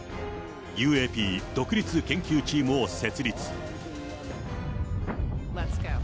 ＵＡＰ独立研究チームを設立。